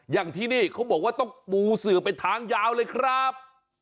อย่างที่นี่เขาบอกว่าต้องปูเสือเป็นทางยาวเลยครับ